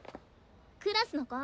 クラスの子。